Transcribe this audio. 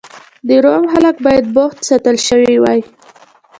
د روم خلک باید بوخت ساتل شوي وای